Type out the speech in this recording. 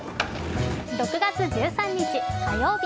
６月１３日火曜日